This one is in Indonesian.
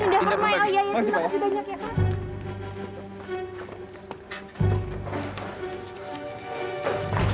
indah permai oh iya iya makasih banyak ya pak